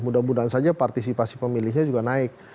mudah mudahan saja partisipasi pemilihnya juga naik